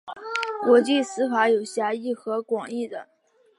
国际私法有狭义与广义的。